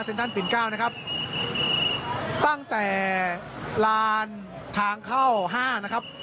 ทันปิ่นเก้านะครับตั้งแต่ลานทางเข้าห้านะครับ